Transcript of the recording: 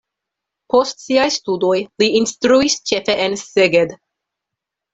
Post siaj studoj li instruis ĉefe en Szeged.